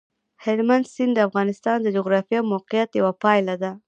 هلمند سیند د افغانستان د جغرافیایي موقیعت یوه پایله ده.